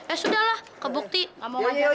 eh sudahlah kebukti nggak mau ngajarin